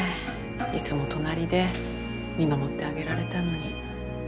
いつも隣で見守ってあげられたのに。